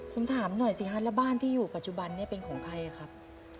ผมถามหน่อยสิฮะแล้วบ้านที่อยู่ปัจจุบันนี้เป็นของใครครับ